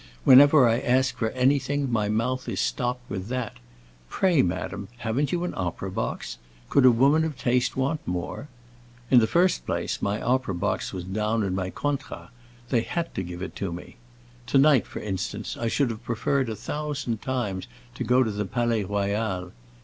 Whenever I ask for anything my mouth is stopped with that: Pray, madam, haven't you an opera box? Could a woman of taste want more? In the first place, my opera box was down in my contrat; they have to give it to me. To night, for instance, I should have preferred a thousand times to go to the Palais Royal.